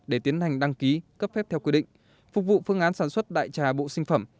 để tiến hành đăng ký cấp phép theo quy định phục vụ phương án sản xuất đại trà bộ sinh phẩm